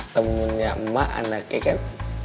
temunya emak anaknya kan